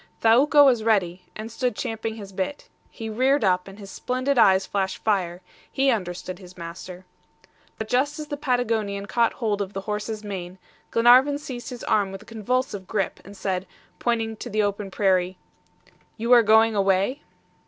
Thaouka was ready, and stood champing his bit. He reared up, and his splendid eyes flashed fire; he understood his master. But just as the Patagonian caught hold of the horse's mane, Glenarvan seized his arm with a convulsive grip, and said, pointing to the open prairie. "You are going away?"